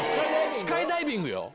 スカイダイビングよ。